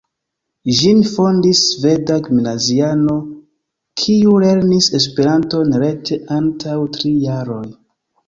Ĝin fondis sveda gimnaziano, kiu lernis Esperanton rete antaŭ tri jaroj.